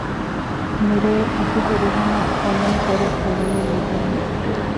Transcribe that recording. މިރޭ ހިތުގެ ރިހުމަށް ކޮންމެވެސް ވަރެއްގެ ލުޔެއް ލިބޭނެ